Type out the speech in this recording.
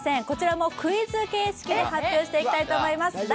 こちらもクイズ形式で発表していきたいと思います。